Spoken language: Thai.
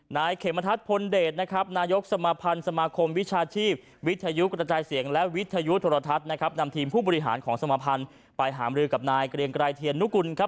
นายเขมทัศน์พลเดชนะครับนายกสมพันธ์สมาคมวิชาชีพวิทยุกระจายเสียงและวิทยุโทรทัศน์นะครับนำทีมผู้บริหารของสมภัณฑ์ไปหามรือกับนายเกรียงไกรเทียนนุกุลครับ